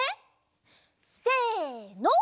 せの。